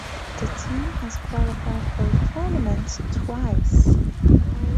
The team has qualified for a tournament twice.